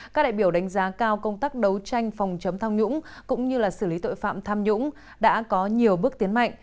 các đại biểu đánh giá cao công tác đấu tranh phòng chống tham nhũng cũng như xử lý tội phạm tham nhũng đã có nhiều bước tiến mạnh